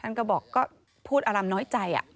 ท่านก็บอกก็พูดอารมณ์น้อยใจ